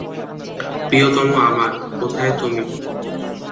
প্রিয়তম আমার, কোথায় তুমি?